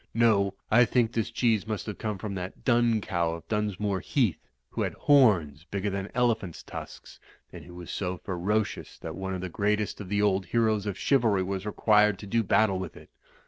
No, I think this cheese must have come from that Dun Cow of Dunsmore Heath, who had horns bigger than elephant's tusks, and who was so ferocious that one of the greatest of the old heroes of chivalry Ivas required to do battle with it.